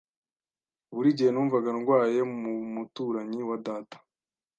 Buri gihe numvaga ndwaye mu muturanyi wa data.